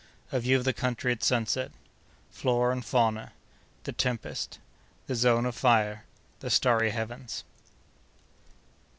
—A View of the Country at Sunset.—Flora and Fauna.—The Tempest.—The Zone of Fire.—The Starry Heavens.